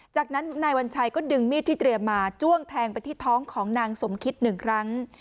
จากนั้นนายวัญชัยก็ดึงมีดที่เตรียมมาจ้วงแทงไปที่ท้องของนางสมคิดหนึ่งครั้ง